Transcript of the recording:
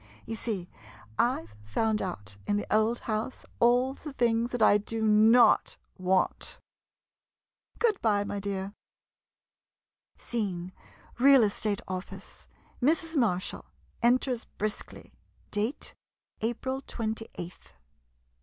You see, I 've found out in the old house all the things that I do not want! Good by, my dear. ii Scene — Real Estate Office. Mrs. Marshall enters briskly. Date April 28th. Mrs.